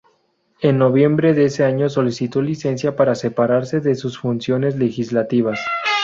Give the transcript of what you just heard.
En noviembre de este año solicitó licencia para separarse de sus funciones legislativas.